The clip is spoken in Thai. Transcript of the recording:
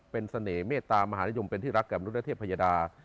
เป็นเสน่ห์เมตตามหาลิยมเป็นที่รักกับมรุณเทพภัยดา